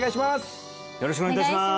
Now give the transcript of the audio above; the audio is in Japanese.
よろしくお願いします